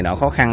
nó khó khăn